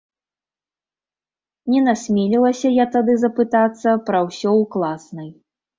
Не насмелілася я тады запытацца пра ўсё ў класнай.